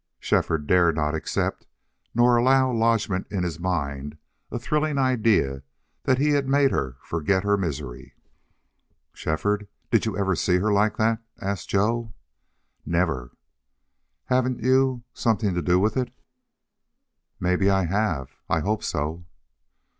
Shefford dared not accept, nor allow lodgment in his mind, a thrilling idea that he had made her forget her misery. "Shefford, did you ever see her like that?" asked Joe. "Never." "Haven't you something to do with it?" "Maybe I have. I I hope so."